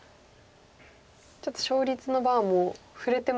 ちょっと勝率のバーも振れてますね。